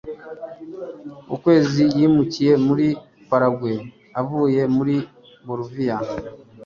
ukwezi yimukiye muri paragwe avuye muri boliviya